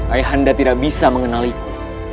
ayah anda tidak bisa mengenaliku